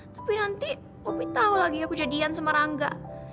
tapi nanti op tau lagi ya kejadian sama rangga